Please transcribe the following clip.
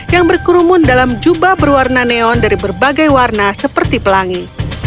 yang berkerumun dalam jubah berwarna neon dari berbagai warna seperti pelangi